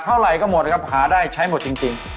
เท่าใร่ก็หมดก็หาได้ใช้หมดจริง